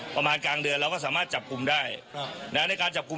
ประมาณกลางเดือนเราก็สามารถจับกลุ่มได้ในการจับกลุ่ม